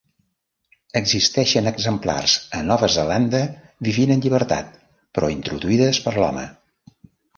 Existeixen exemplars a Nova Zelanda vivint en llibertat, però introduïdes per l'home.